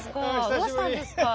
どうしたんですか。